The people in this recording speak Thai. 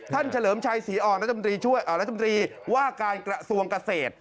ท่านเฉลิมชัยศรีออกรัฐมนตรีช่วยรัฐมนตรีว่าการสวงเกษตร